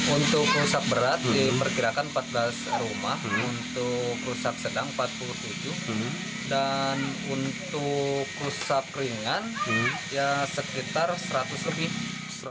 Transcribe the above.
untuk rusak berat diperkirakan empat belas rumah untuk rusak sedang empat puluh tujuh dan untuk rusak ringan ya sekitar seratus lebih